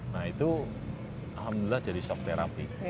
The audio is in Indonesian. nah itu alhamdulillah jadi shock therapy